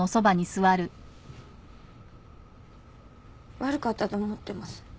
悪かったと思ってます。